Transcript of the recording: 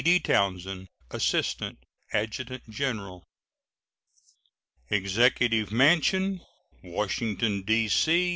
D. TOWNSEND, Assistant Adjutant General. EXECUTIVE MANSION, _Washington, D.C.